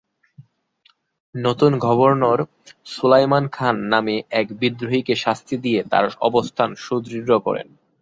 নতুন গভর্নর সুলায়মান খান নামে এক বিদ্রোহীকে শাস্তি দিয়ে তাঁর অবস্থান সুদৃঢ় করেন।